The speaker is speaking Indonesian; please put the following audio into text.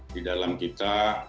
di dalam kita